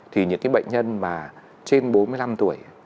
thì những cái bệnh nhân mà trên bốn mươi năm tuổi